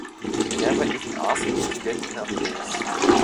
He never even asked me to get him a place.